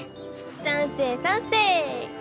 賛成賛成。